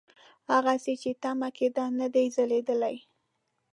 هغسې چې تمه کېده نه ده ځلېدلې.